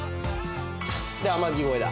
『天城越え』だ。